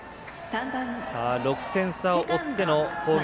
６点差を追っての攻撃。